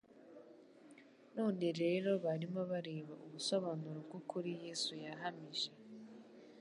Noneho rero barimo bareba ubusobanuro bw'ukuri Yesu yahamije: